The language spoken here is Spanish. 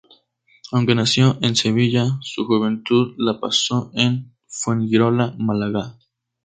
Aunque nació en Sevilla, su juventud la pasó en Fuengirola, Málaga.